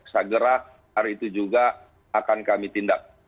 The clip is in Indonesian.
segera hari itu juga akan kami tindak